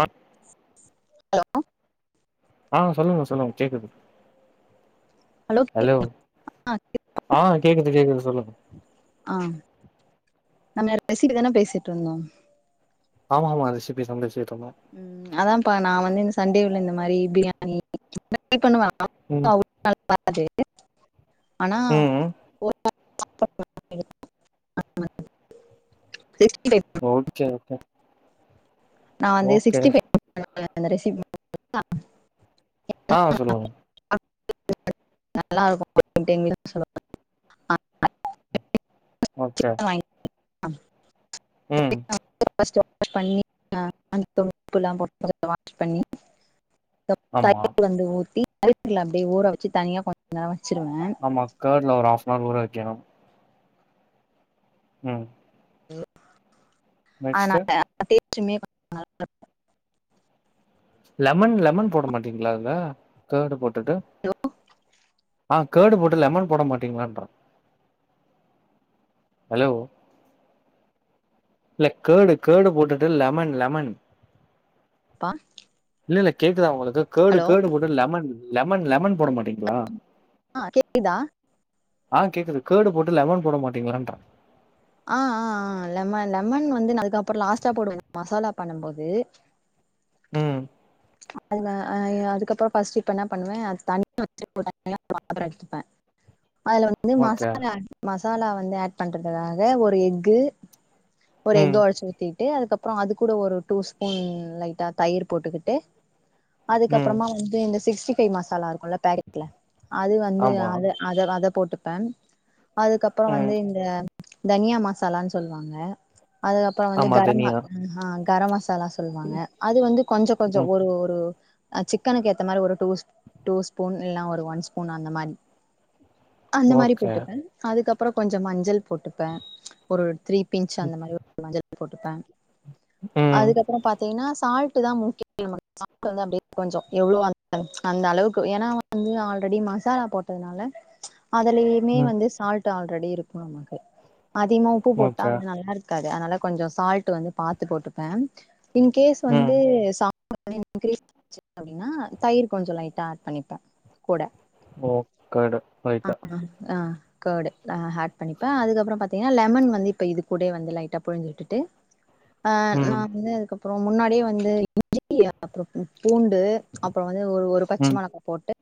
ஆஹ [unintelligible] ஆ சொல்லுங்க சொல்லுங்க கேக்குது ஹலோ ஆ கேக்குது கேக்குது சொல்லுங் ஆ நம்ம ரெசிபி தானே பேசிட் இருந்தோ ஆமா ஆமா ரெசிப்பிஸ் வந்துச்சு ம் அதா பா நா வந்து இந்த சண்டே உள்ள இந்த மாரி பிரியாணி [inaudible] பண்ணுவா ம் [inaudible] ஆனா ம் ஒரு [inaudible] [inaudible] ஓகே ஓகே நா வந்து ஓகே சிக்ஸ்டி [inaudible] அந்த ரெசிபி [inaudible] ஆ சொல்லுங்க மேம் நல்லா இருக்கு [inaudible] ஓகே அம் ம் [inaudible] வாஷ் பண்ணி ஆமா [inaudible] வந்து ஊத்தி [inaudible] அப்படிய ஊற வச்ச தனியா கொஞ்ச [inaudible] ஆமா கேர்டு ஒரு ஆஃப் நாள் ஊற வைக்கணு ம் ம் நெக்ஸ்ட் அதனால தே ற்றுமே [inaudible] லெமன் லெமன் போட மாட்டீங்களா அதுல கேர்டு போட் த்துடு ஆ கேர்டு போட்டு லெமன் போட மாட்டீங்களான்றா ஹலோ இல்ல கேர்டு கேர்டு போட்டுட்டு லெமன் லெமன் பா இல்ல இல்ல கேக்குதா உளுக் கேர்டு கேர்டு போட்டு லெமன் லெமன் லெமன் போட மாட்டீங்களா அக் அ கேக்குதுதா ஆ கேக்குது கேடு போட்டு லெமன் போட மாட்டீங்களன்றா அ அ அ லெமன் லெமன் வந்து அதுக்குப்பறம் லாஸ்ட்டா போடு மசாலா பண்ணுபோது ம் அதுல அ அதுக்கப்புறம் ஃபர்ஸ்ட் இப்ப என்ன பண்ணுவே அது தண்ணிய [unintelligible] எடுத்துப்பே அதுல வந்து ஓகே மசாலா [unintelligible] மசாலா வந்து ஆட் பண்றதுக்காக ஒரு எக்கு ஒரு ம் எஃக்க ஒடச்சி ஊத்தி ட்ரு அதுக்கப்பறம் அது கூட ஒரு டூ ஸ்பூன் லைட்டா தயிர் போட்டுக்கிட் ட்டு ம் அதுக்கப்பறமா வந்து இந்த சிக்ஸ்டி பே மசாலா இருக்கும்ல பேக்கெட்ல அது வந்து ஆமா அத அத அதப் போட்டுப்பே அதுக்கப்பறம் ம் வந்து இந்த தனியா மசாலான் சொல்லுவாங்க அதுக்கப்பறம் வந்து ஆமா கரம் அ தனியா கரம் மசாலா சொல்லுவாங்க அது வந்து கொஞ்ச கொஞ்ச ம் ஒரு ஒரு அ சிக்கனுக்கு ஏத்த மாரி ஒரு டூஸ் டூ ஸ்பூன் இல்லனா ஒரு ஒன் ஸ்பூன் அந்த மாரி அந்த மாரி ஓகே போட்டுப்பே அதுக்கப் அப்பறம் கொஞ்ச மஞ்சள் போட்டுப்பே ஒரு த்ரீப் பிஞ்ச் அந்த மாரி ஒரு மஞ்சள் போட்டு தாங் ம் அதுக்கப்பற பாத்தீங்கனா சால்ட் [unintelligible] வந்து அப்டிய கொஞ்ச எவ்ளவு அ அந்த அளவுக்கு ஏன்னா வந்து ஆல்ரெடி மசாலா போட்டதுனால அதலயுமே ம் வந்து சால்ட் ட்டு ஆல்ரெடி இருக்கு நமக்கு அதிகமா உப்பு போட்டா ஓகே அது நல்லாருக்காது அதனால கொஞ்ச சால்ட் வந்து பாத்து போட்டுப்பே இன்கேஸ் ம் வந்து ச [unintelligible] அப்பிடின்னா தயிர் கொஞ்சோ லைட்டா ஆட் பண்ணிப்பே கூட ஓ கர்டு ரைட்டா ஆ க்கடு ஆட் பண்ணிப்பே அதுக்கப்புறோ பாத்தீங்கன்னா லெமன் வந்து இப்ப இது கூடயே வந்து லைட்டா புழிஞ்சிட்டுட்டு ஆ நா ம் வந்து அதுக்கு அப் அப்புறோ முன்னாடியே வந்து இஞ்சிடி [unintelligible] பூண்டு அப்புறோ வந்து ஒரு ஒரு பச்ச ம் மிளகா போட்டு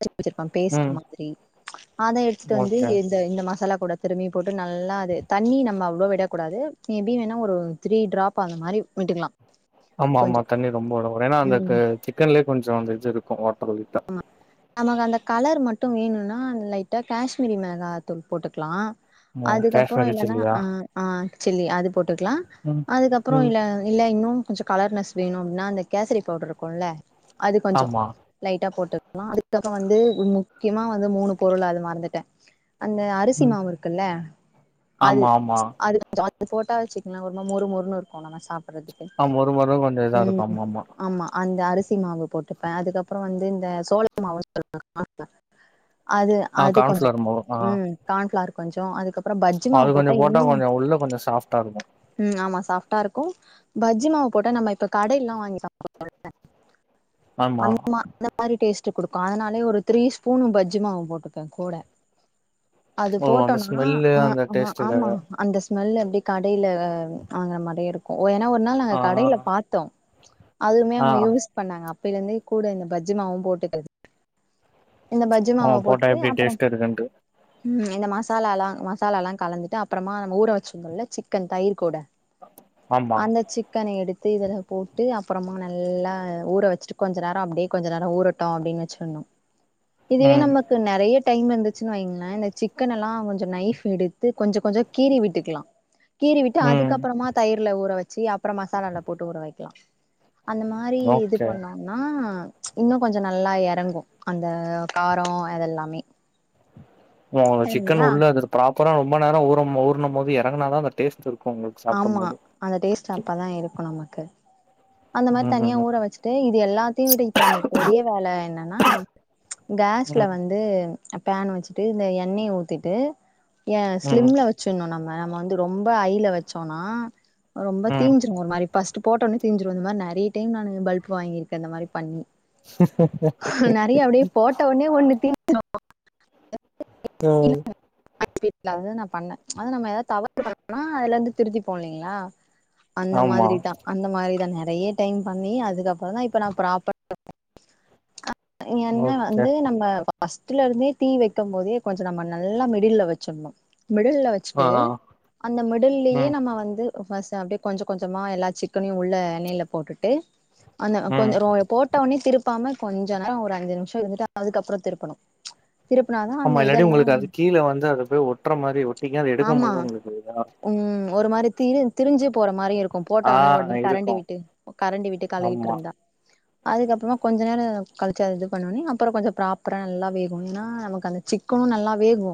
[unintelligible] வச்சிருப்பா ம் பேஸ்டுமா த்திரி அதா எடுத்துட்டு வந்து ஓகே இந்தஇந்த மசாலா கூட திரும்பி போட்டு நல்லா அது தண்ணி நம்ம அவ்ளோ விடக்கூடாது மேபி வேணா ஒரு த்ரீட்ராப் அந்த மாரி விட்டுக்கலா ஆமா கொஞ்சோ ஆமா தண்ணி ரொம்ப உடரு ஏன்னா அந்த ம் க சிக்கன்லே கொஞ்சோ திஞ்சிருக்கு ஓட்டலிட்டா நமக்கு அந்த கலர் மட்டு வேணுன்னா லைட்டா கேஷ்சிரிமிளகாதூள் போட்டுக்கலா ம் அதுக்கப்புறோ காஷ்மீரி இல்லன்னா சில்லியா அ அ சில்லி அது போட்டுக்கலா ம் அதுக்கப்புறோ ம் இல இல்ல இன்னு கொஞ்சோ கலர்னஸ் வேணு அப்பின்னா அந்த கேசரி படவுரு இருக்குல்ல அது கொஞ்சோ ஆமா லைட்டா போட்டுக்கலா அதுக்கப்புற வந்து முக்கியமாவந்து மூணு பொருள் அது மறந்துட்டே அந்த அரிசி ம் மாவுருக்குல்ல அது ஆமா ஆமா அது கொஞ்சோ இது போட்டா வச்சுக்கலா ஒரும மொறு மொறுன்னு இருக்கு நம்ம சாப்ப ஆ மொறு மொறு கொஞ்ச இதா இருக்கு ஆமா ஆமா அந்த அரிசிமாவு போட்டுப்பே அதுக்கப் புறோ வந்து இந்த சோழ மாவு சொல்லாங்க கான்ஃபிலார் அது ஆ அது கொஞ்சோ கார்ன்ஃப்ளவர் மொறு ஆ ம் கான்ஃபிளார் கொஞ்சோ அது அது கொஞ்சோ போட்டா கொஞ்சோ உள்ள கொஞ்சோ சாஃப்டா இருக்கு ம் ஆமா சாஃப்டா இருக்கு பஜ்ஜி மாவு போட்ட நம்ம இப்ப கடையல்லா வாங்கி சாப்புடுவோல்லா ஆமா அந்த மாரி டேஸ்ட் குடுக்கு அதனாலே ஒரு த்ரீ ஸ்பூனுும் பஜ்ஜு மாவு போட்டுப்பே கூட அது ஓ அந்த போட்டோனா ஸ்மெல்லு அந்த அ ஆமா டேஸ்ட்டுக்காக அந்த ஸ்மெல்லு அப்டி கடையில வாங்கற மாரியே இருக்கு ஓ ஏன்னா ஒரு நாள் நாங்க கடையில ஆ பாத்தோ அதுமே ஆ அவுங்க யூஸ் பண்ணாங்க பிலந்து கூட இந்த பஜ்ஜி மாவும் போட்டுக்க இந்த பஜ்ஜு மாவ ஆமா போட்டா போட்டுட்டு எப்டி அப்பறம் டேஸ்ட் இருக்குன்ட்டு உ இந்த மாச மசாலலா மசாலாலா கலந்துட்டு அப்பறமா நம் ஊற வச்சுருந்தோல சிக்கன் தயிர் கூட ஆமா அந்த சிக்கன எடுத் இத இதுல போட்டு அப்பறமா நல்லா ஊற வச்சுட்டு கொஞ்ச நேர அப்டியே கொஞ்ச நேரம் ஊறட்டும் அப்டின்னு வச்சுருன்னு இதுவே ம் நமக்கு நெறையா டைம் இருந்துச்சு வைங்களே இந்த சிக்கன் எல்லா கொஞ்ச நைப் எடுத்து கொஞ்ச கொஞ்ச கீறி விட்டுக்கலா கீறி விட்டு ம் அதுக்கப்பறமா தயிர்ல ஊற வச்சு அப்பறம் மசாலால போட்டு ஊற வைக்கலா அந்த மாரி இது ஓகே பண்ணோம்னா இன்னு கொஞ்ச நல்லா எறங்கு அந்த கார அதெல்லாமே ஒ சிக்கன் சரிங்களா உள்ள ப்ராப் அப்பறம் ரொம்ப நேர ஊறும் போது எறங்கனா தா அந்த டேஸ்ட் இருக்கு உங்களுக்கு சாப்டும் ஆமா போது அந்த டேஸ்ட் அப்பதா இருக்கு நமக்கு அந்த மாரி ம் தனியா ம் ஊற வச்சுட்டு இது எல்லாத்தையு விட்டு இப்ப நமக்கு பெரிய வேல என்னன்னா அம் கேஸ்ல ம் வந்து பேன் வச்சுட்டு இந்த எண்ணெய ஊ திட்டு ஏ ம் ஸ்லிம்ல வச்சிருணு நம் நம்ம வந்து ரொம்ப ஐல வச்சோம்னா ரொம்ப ம் தீஞ்சுரும் ஒரு மாரி பஸ்ட் போட்ட உனே செஞ்சிரு அந்த மாரி நெறைய டைம் நா பல்ப் வாங்கிருக்கே இந்த மாரி பண்ணி நெறைய அப்டியே போட்ட உனே ஒண்ணு தின் [unintelligible] உம் நா பண்ணே அது நம்ம ஏதாவது தவறு பண்ணனா அதுல இருந்து திருத்தி போ இல்லைங்ளா அந்த ஆமா மாதிரி தா அந்த மாரி நெறய டைம் பண்ணி அதுக்கப்றோ தா இப்ப நா ப்ராப்ரா என்ன ஓகே வந்து நம்ம பஸ்ட்ல இருந்தே தீ வைக்கு போதே கொஞ்சோ நம்ம நல்லா மிடில்ல வச்சிடணு மிடில்ல ஆ வச்சுட்டு ஆ அந்த மிடில்லயே ம் நம்ம வந்து அப்டியே கொஞ்சோ கொஞ்சோமா எல்லா சிக்கனையு உள்ள எண்ணயில போட்டுட்டு அந்த ம் கொஞ்சோ போட்ட ஒனே திருப்பாம கொஞ்ச நேரோ ஒரு அஞ்சு நிமிஷோ இருந்துட்டு அதுக்கப்றோ திருப்பணு திருப்புனாதா அந்த ஆமா இல்லாட்டி இதெல்லா உங்களுக்கு அது கீழ வந்து அது போய் ஒட்டுற மாரி ஒட்டிக்கு அது எடுக்கும் ஆமா போது உங்களுக்கு உம் ஒரு மாரி தி திரிஞ்சு போற மாரி இருக்கு போட்ட ஆ ஒடனே ஒடனே கரண்டி இருக்கு விட்டு கரண்டி விட்டு கழரிட்டு ஆமா இருந்தா அதுக்கப்றமா கொஞ்ச நேரோ கழுச்சு அத இது பண்ண ஒனே அப்றோ கொஞ்சோ ப்ராப்பராக நல்லா வேகனும்னா நமக்கு அந்த சிக்கனு நல்லா வேகு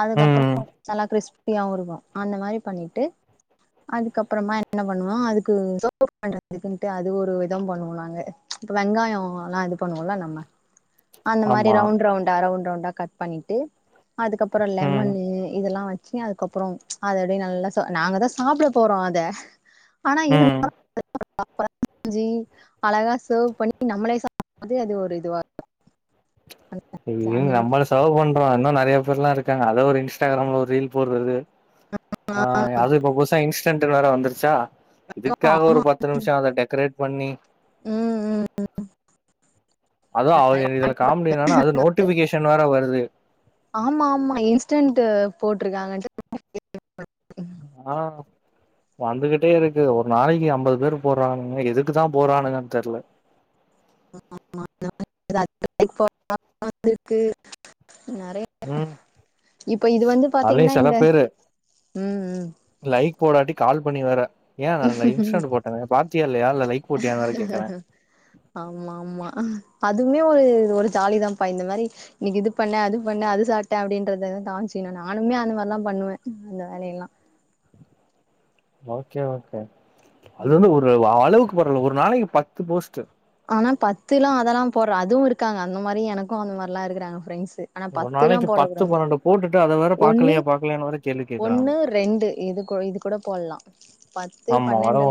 அதுக்கப்றோ ம் நல்லா கிறிஷ்ப் பிரியாவு இருக்கு அந்த மாரி பண்ணிட்டு அதுக்கப்றமா என்ன பண்ணுவோ அதுக்கு பண்றதுக்குன்ட்டு அது ஒரு விதம் பண்ணுவோம் நாங்க இப்ப வெங்காயோ எல்லா இது பண்ணுவோல நம்ம அந்த மாதிரி ஆமா ரவுண்டு ரவுண்டா ரவுண்டு ரவுண்டா கட் பண்ணிட்டு அதுக்கப்றோ ம் லெமன் இதெல்லா வச் அதுக்கப்புறோ அத அப்டியே நல்லா நாங்கதா சாப்ட போறோ அத ஆனா இரு ம் அப்றோ சென்ஞ்சு அழகா சர்வ் பண்ணி நம்மளே சாப்பிடும்போது அது ஒரு இதுவாக இருக்கு ஏங்க அந்த மாதிரி. நம்மள சவ் பண் அப்றோ இன்னு நெறய பேர்லா இருக்காங்க அத ஒரு இன்ஸ்டாகிராம்ல ஒரு ரீல் போடுறது ஆ அது இப்ப புதுசா இன்ஸ்டன்ட் வேற வந்துருச்சா இதுக்காக ஆமா ஒரு பத்து நிமிஷோ அத டெக்கரேட் பண்ணி ம் ம் அது அவ் இதுல காமடி என்னனா அது நோட்டிபிகேஷன் வேர வருது ஆமா ஆமா இன்ஸ்டன்டு போட்ருக்காங்கன்ட்டு ஆ வந்துகிட்டே இருக்கு ஒரு நாளைக்கு ஐம்பது பேர் போறானுங்க எதுக்கு தா போறானுங்கன் தெர்ல [unintelligible] நெறைய ம் இப்ப இது வந்து பாத்தீங்கன்னா அதுலயு சில இந்த பேரு ம் லைக் போடாட்டி கால் பண்ணி வேர இல்லையா இல்ல லைக் போட்டியான்னு வேற கேக்குறே ஆமா ஆமா அதுமே ஒரு ஒரு ஜாலிதாப்பா இந்த மாரி இன்னிக்கு இது பண்ண அது பண்ண அது சாப்பிட்டே அப்பிடின்றத தாச்சுன்னா நானுமே அந்த மாரில்லா பண்ணுவே அந்த வேலையெல்லா ஓகே ஓகே அது வந்து ஒரு அளவுக்கு போறல்ல ஒரு நாளைக்கு பத்து போஸ்ட் ஆனா பத்துல்லா அதெல்லா போடறா அதுவு இருக்காங்க அந்த மாரி எனக்கு அந்த மாரிலா இருக்கறாங்க ஃப்ரெண்ட்ஸ் ஆனா ஒரு பத்துல்லா நாளைக்கு பத்து போடக்கூடாது பன்னெண்டு போட்டுட்டு அத வேற ஒன்னு பாக்கலையா பாக்கலையான்னு வேற கேள்வி கேக்குறாங்க ஒன்னு ரெண்டு இது கூ இது கூட போலா ஆமா வரவ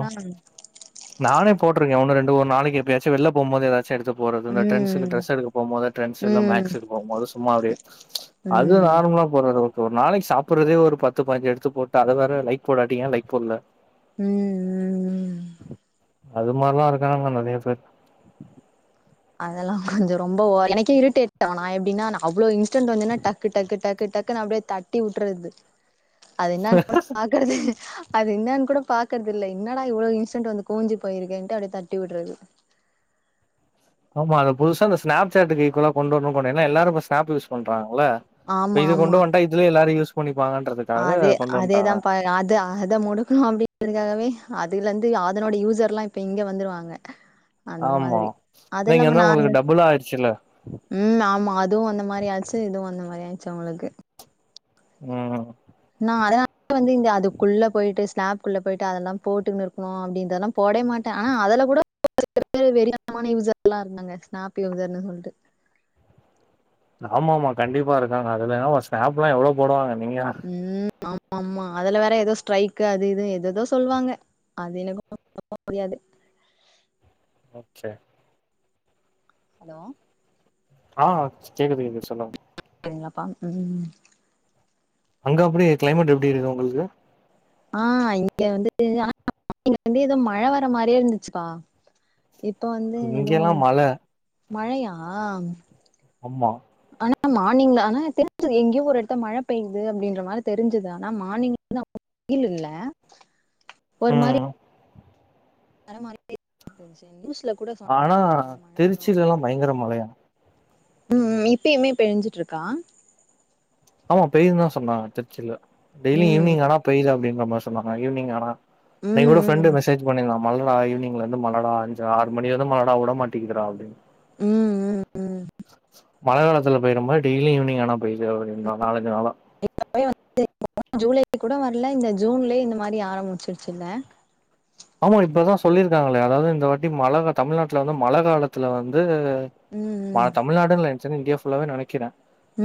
நானே போட்டிருக்கே ஒண்ணு ரெண் ஒரு நாளைக்கு எப்பாயாச்சு வெள்ள போம்போது எதாச்சு ச்சி எடுத்து போறது இந்த ட்ரெண்ட்ஸு ம் டிரஸ் எடுக்க போம்போது ம் ட்ரெண்ட்ஸ் எல்லா ம் மேக்ஸ்டு போ போது சும்மா அப்பிடியே அது ம் நார்மலா போறது ஒ ஒரு நாளைக்கு சாப்புறதே ஒரு பத்து பாஞ்சி எடுத்து போட்டு அத வேற லைக் போடாட்டீ ஏ லைக் போல ம் ம் ம் அது மாரிலா இருக்கானாங்க நெறைய பேர் அதெல்லா கொஞ்சோ ரொம்ப ஒ எனக்கே இரிட்டேட் ஆ நா எப்பிடின்னா அவ்ளோ இன்ஸ்டன்ட் வந்துன்னா டக்கு டக்கு டக்கு டக்கு நான அப்பிடியே தட்டி வுட்டறது அது என்னன்னு கூட பாக்குறது அது என்னன்னு கூட பாக்குறது இல்ல என்னடா இவ்ளோ இன்ஸ்டன்ட் வந்து குமுஞ்சி போயிருக்கேன்ட்டு அப்பிடியே தட்டிவுடுறது ஆமா அது புதுசா இந்த ஸ்நாப் சாட்டு இக்குவல்லா கொண்டு வணு போனு எல்லாரு ஸ்னாப் யூஸ் பண் ண்றாங்க ல்ல இப்ப ஆமா இது கொண்டு ஆமா வண்ட்டா இதுல எல்லாரு யூஸ் பண்ணிப்பாங்கன்றதுக்காக அதே கொண்டு அதேதா வந்ட்டாங்க பா அது அது முடுக்கணு அப்பிடிங்கதுக்காகவே துல இந்து அதனோட யூசர்ல்லா இப்ப இங்க வந்துருவாங்க அந்த ஆமா மாதிரி அது நீங்க இல்லாம வந்து நா அந்த உங்களுக்கு டபுளா ஆயிடுச்சுல்ல ம் ஆமா அதுவு அந்த மாரியாச்சு இதுவு அந்த மாரி ச் அவுளுக்கு ம் நா அதனால வந்து இந்த அதுக்குள்ள போயிட்டு ஸ்னாப்க்குள்ள போயிட்டு அதெல்லா போட்டுட்டு இருக்கணு அப்பிடின்தெல்லா போடவே மாட்டே ஆனா அதுல கூட [unintelligible] வெறித்தனமான யூசர்ல்லா இருந்தாங்க ஸ்னாப் யூசர்னு சொல்ட்டு ஆமா ஆமா கண்டிப்பா இருக்காங்க அதுயு ஸ்னாப்ல்லா எவ்ளோ போடுவாங்க நீயா ம் ஆமா ஆமா அதுல வேற ஏதோ ஸ்ட்ரைக்கு அது இது ஏததோ சொல்லுவாங்க அது எனமோ நம்ப முடியாது பச்ச ஹலோ ஆ கேக்குது கேக்குது சொல்லுங் சரிங்ளாப்பா ம் அங்க எப்டி கிளைமேட் எப்டி இருக்கு உங்களுக்கு ஆ இங்க வந்துட்டு ஆனா இங்க வந்து ஏதோ மழை வர மாரியே இருந்துச்சு பா இப்ப வந்து எதோ இங்கெல்லா வந்து மழ மழையா அம்மா ஆனா மார்னிங்ல ஆனா தெரிஞ்சுது எங்கேயோ ஒரு எடத்துல மழ பெயுது அப்டின்ற மாரி தெரிஞ்சுது ஆனா மார்னிங்ல வெயில் இல்ல ம் தடம் மாரி கிட்டே [unintelligible] நியூஸ் ஆனா திருச்சி எல்லா பயங்கிர மழையா ம் இப்பயுமே பேஞ்சுட்டு இருக்கா ஆமா பேயுந்தான் சொன்னாங்க திருச்சில டெய்லி ம் ஈவ்னிங் ஆன பெய்து அப்டின்னு ரொம்ப சொன்ன மாரி ஈவ்னிங் ஆனா இன்னை ம் கூட ஃப்ரெண்டு ம் மசேஜ் பண்ணிருந்தாம் மழடா ஈவ்னிங்லேந்து மழடா அஞ்சு ஆறு மணில இருந்து மழடா உட மாட்டிக்கிது டா அப்டின்னு ம் ம் ம் மழ காலத்துல பேயிர மாரி டெய்லி ஈவ்னிங் ஆனா பெய்து நாள் அஞ்சு நாளா ப்ப கூட வரல இந்த ஜூன்லயே இந்த மாரி ஆரமுச்சுருச்சுல்ல ஆமா இப்பதா சொல்லிருக்காங்ளே அதாவுது இந்த வாட்டி மழ தமிழ்நாட்டுல வந்து மழ காலத்துல வந்து ம் தமிழ்நாடுன்ல சின் இன்டியா புல்லாவே நினைக்கிறே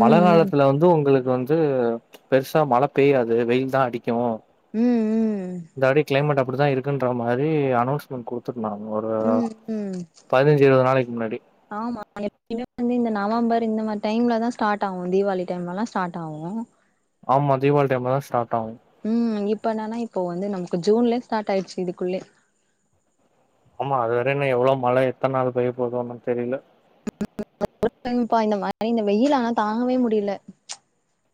மழ ம் ம் காலத்துல வந்து உங்களுக் இது வந்து பெருசா மழ பெய்யாது வெயில் தா அடிக் கும் ம் ம் இந்தவாட்டி கிளைமேட் இப்டிதா இருக் இருக்குன்ற மாரி அலோன்ஸ்மெண்ட் குடுத்து நாங்க ஒரு ம் ம் பதினஞ்சு இருவது நாளைக்கு முன்னாடி ஆமா எப்ப வந்து இந்த நவம்பர் இந்த மாரி டைம்ல தா ஸ்டாட் ஆவும் தீபாவளி டைம்லதா ஸ்டாட் ஆவு ஆமா தீபாவளி டைம்ல தா ஸ்டாட் ஆவு ம் இப்ப என்னானா இப்போ வந்து நமக்கு ஜூன்லயே ஸ்டாட் ஆயிருச்சு இதுக்குள்ளே ஆமா அதுவரையிலு இன்னு எவ்ளோ மழ எத்தன நாள் பேய போதோன்னு தெரில ப்பா இந்த மாரி இந்த வெயில் ஆனா தாங்கவே முடில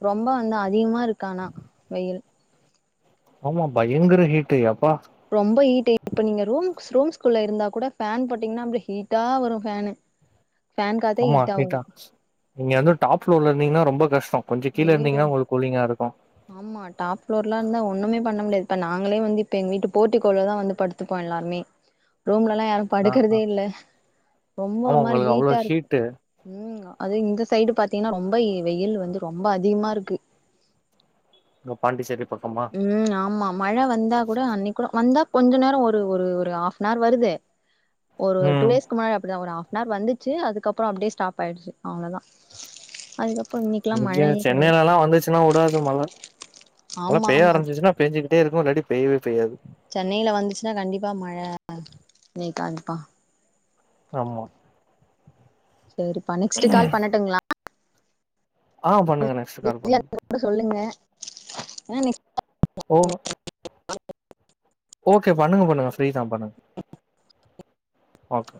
ரொம்ப வந்து அதிகமா இருக்க ஆனா வெயில் ஆமா பயங்கர ஹீட்டு அப் ரொம்ப ஈட் இப்ப நீங்க ரூம் ஸ்ரூம்ஸ்குல்ல இருந்தா கூட பேன் போட்டீங்கன்னா அப்டி ஹீட்டா வரு பேனு ஆமா ஹீட்டா நீங்க வந்து டாப் ப்லோர்ல இருந்தீங்கன்னா ரொம்ப கஷ்ட கொஞ்ச கீழ ஐயயோ இருந்தீங்கனா உங்களுக்கு கூலிங்கா இருக்கு ஆமா டாப் ப்ளோர்லா இருந்தா ஒண்ணுமே பண்ண முடியாது இப்ப நாங்களே வந்து இப்ப எங்க வீட்டு போர்ட்டிக்கோள்ளதா வந்து படுத்துப்போ எல்லாருமே ரூம்லலா யாரு ஆ படுக்கிறதே ஆ இல்ல ரொம்ப ஆமா ஒரு மாரி உங்களுக்கு அவ்ளோ ஹீட்டா இருக்கு ஹீட்டு ம் அது இந்த சைடு பாத்தீங்கன்னா ரொம்ப வெயில் வந்து ரொம்ப அதிகமா இருக்கு பாண்டிச்சேரிப் ம் ஆமா மழ வந்தா கூட அன்னைக் கூட வந்தாப் கொஞ்ச நேர ஒரு ஒரு ஹாஃப்னவர் வருதே ஒரு டூ ம் இயர்ஸ்கு முன்னாடி அப்டிதா ஒரு ஆஃப் ஆனார் வந்துச்சு அதுக்கப்பறம் அப்டியே ஸ்டாப் ஆயிருச்சு அவ்வளதா அதுக்கப் இங்க சென்னையிலல எல்லா வந்துச்சுன்னா விடாது மழ ஆமா பேய ஆமா ஆம்பிச்சா பேஞ்சிக்கிட்டே இருக்கும் இல்லாடி பேய்யவே பேய்யாது சென்னையில வந்துச்சுன்னா ப்பா ஆமா சேரிப்பா நெக்ஸ்ட் கால் பண்ணட்டுங்களா ஆ பண்ணுங்க நெக்ஸ்ட் கால் பிரிய பண்ணுங்க இருந்தா கூட சொல்லுங்க ஆ நெக்ஸ்ட் ஒ அ ஓகே பண்ணுங்க பண்ணுங்க ஃப்ரீதா பண்ணுங்க ஓகே